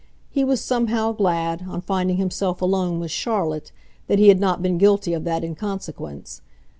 He was somehow glad, on finding himself alone with Charlotte, that he had not been guilty of that inconsequence.